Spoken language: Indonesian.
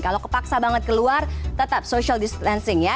kalau kepaksa banget keluar tetap social distancing ya